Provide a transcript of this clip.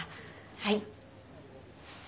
はい。